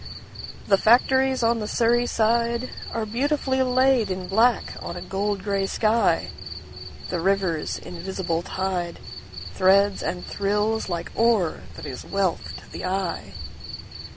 The factories on the Surrey sideAre beautifully laid in black on a gold grey sky. The river's invisible tideThreads and thrills like ore that is wealth to the eye.